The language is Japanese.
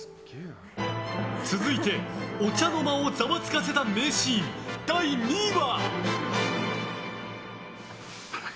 続いてお茶の間をザワつかせた名シーン第２位は。